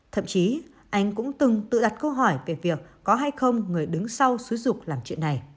thậm chí anh cũng từng tự đặt câu hỏi về phát ngôn của anh